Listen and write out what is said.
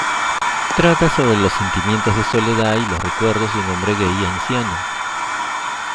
Trata sobre los sentimientos de soledad y los recuerdos de un hombre gay anciano.